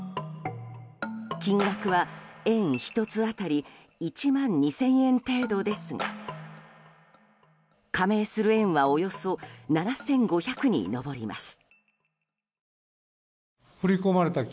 金額は、園１つ当たり１万２０００円程度ですが加盟する園はおよそ７５００に上ります。